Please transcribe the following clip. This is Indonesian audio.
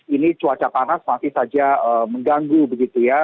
ini cuaca panas masih saja mengganggu begitu ya